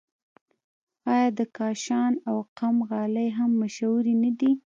آیا د کاشان او قم غالۍ هم مشهورې نه دي؟